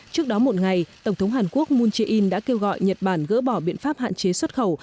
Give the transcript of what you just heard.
trước đó một ngày tổng thống hàn quốc moon jae in đã kêu gọi nhật bản gỡ bỏ biện pháp hạn chế xuất khẩu